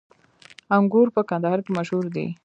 انګور په کندهار کې مشهور دي